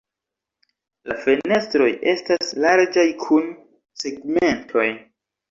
La fenestroj estas larĝaj kun segmentoj.